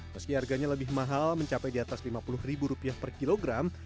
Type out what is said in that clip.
meski harganya lebih mahal mencapai di atas rp lima puluh per kilogram